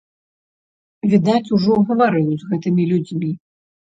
Відаць, ужо гаварыў з гэтымі людзьмі.